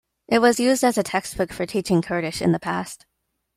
It was used as a textbook for teaching Kurdish in the past.